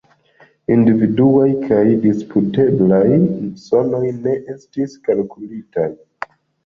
Individuaj kaj disputeblaj sonoj ne estis kalkulitaj.